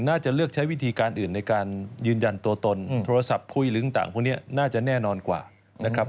น่าจะเลือกใช้วิธีการอื่นในการยืนยันตัวตนโทรศัพท์คุยหรือต่างพวกนี้น่าจะแน่นอนกว่านะครับ